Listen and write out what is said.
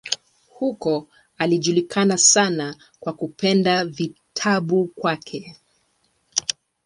Huko alijulikana sana kwa kupenda vitabu kwake.